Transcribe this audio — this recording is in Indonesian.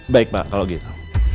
baik pak kalau gitu